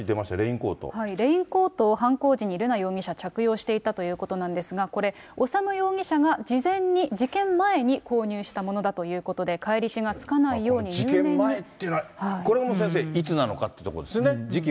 レインコートを犯行時に瑠奈容疑者、着用していたということなんですが、これ、修容疑者が事前に、事件前に購入したものだということで、事件前っていうのは、これも先生、いつなのかっていうところですよね。